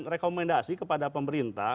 rekomendasi kepada pemerintah